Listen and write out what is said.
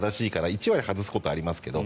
１割外すことがありますけど。